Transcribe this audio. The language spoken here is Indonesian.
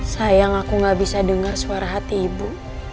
sayang aku gak bisa dengar suara hati ibu